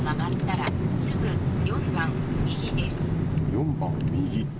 ４番、右。